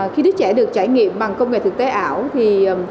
khi đứa trẻ được trải nghiệm bằng công nghệ thực tế ảo